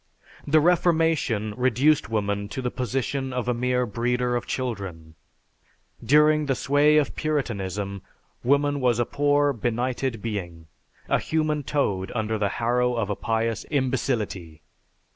The Reformation reduced woman to the position of a mere breeder of children. During the sway of Puritanism woman was a poor, benighted being, a human toad under the harrow of a pious imbecility.